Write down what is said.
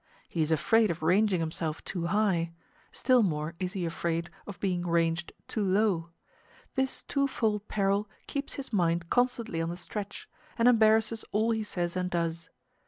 He is afraid of ranging himself too high still more is he afraid of being ranged too low; this twofold peril keeps his mind constantly on the stretch, and embarrasses all he says and does.